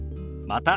また。